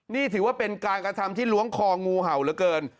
นี่ถือว่าเป็นการกระทำที่ล้วงคองูเห่าเหลือเกิน